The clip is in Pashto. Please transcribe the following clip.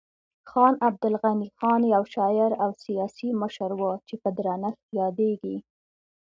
خان عبدالغني خان یو شاعر او سیاسي مشر و چې په درنښت یادیږي.